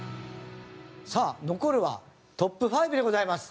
さあ残るはトップ５でございます。